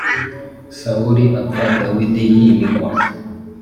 sawuli apfa dawidi yimikwa